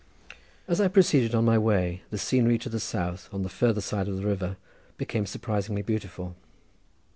As I proceeded on my way the scenery to the south on the farther side of the river became surprisingly beautiful.